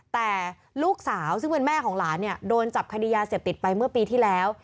แต่ลูกสาวซึ่งเป็นแม่ของหลานเนี่ยโดนจับคดียาเสพติดไปเมื่อปีที่แล้ว